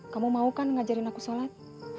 kamu mau kan ngajarin aku sholat